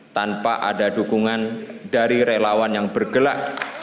tanpa ada dukungan dari relawan yang bergerak